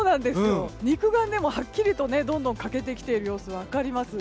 肉眼でもはっきりとどんどん欠けてきている様子が分かります。